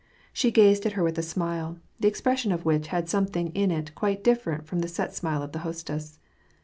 She gazed at her with a smile^ the expression of which had something in it quite different from the set smile of the hostess.